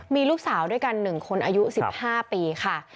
มีลูกสาวด้วยกัน๑คนอายุ๑๕ปีค่ะ